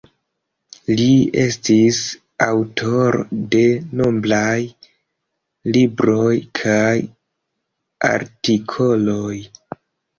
Li estis aŭtoro de nombraj libroj kaj artikoloj.